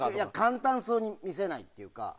簡単そうに見せないというか。